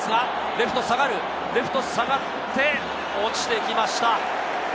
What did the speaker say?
レフト下がって、落ちてきました。